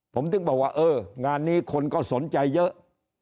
ผมถึงบอกว่าเอองานนี้คนก็สนใจเยอะ